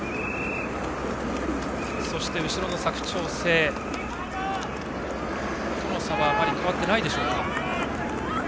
後ろの佐久長聖との差はあまり変わってないでしょうか。